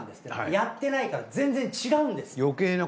やってないから全然違うんですって。